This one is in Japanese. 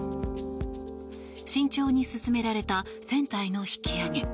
慎重に進められた船体の引き揚げ。